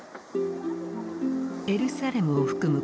エルサレムを含む